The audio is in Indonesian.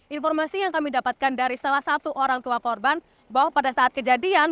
informasi yang kami dapatkan dari salah satu orang tua korban bahwa pada saat kejadian